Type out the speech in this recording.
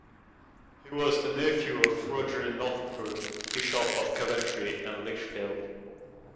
He was the nephew of Roger Northburgh, Bishop of Coventry and Lichfield.